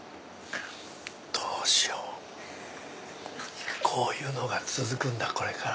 どうしようこういうのが続くんだこれから。